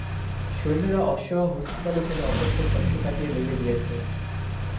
সৈন্যেরা অশ্ব ও হস্তিপালের জন্য অপক্ক শস্য কাটিয়া লইয়া গিয়াছে।